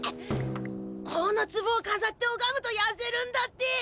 このつぼをかざっておがむとやせるんだって。